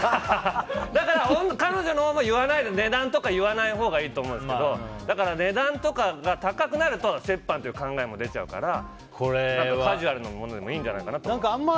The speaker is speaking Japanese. だから、彼女のほうが値段とかを言わないほうがいいと思うんですけどだから、値段とかが高くなると折半っていう考えも出ちゃうからカジュアルなものでもいいんじゃないかなと。